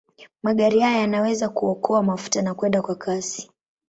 Magari haya yanaweza kuokoa mafuta na kwenda kwa kasi.